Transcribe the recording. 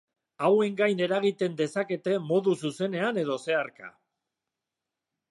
Hauen gain eragiten dezakete modu zuzenean edo zeharka.